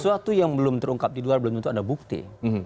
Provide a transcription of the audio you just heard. sesuatu yang belum terungkap di luar belum tentu ada bukti